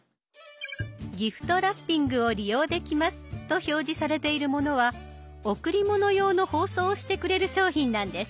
「ギフトラッピングを利用できます」と表示されているものは贈り物用の包装をしてくれる商品なんです。